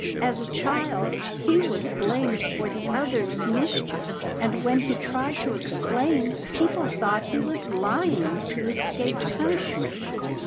As a child he was blamed for the other's mischief, and when he tried to explain, people thought he was lying to escape punishment."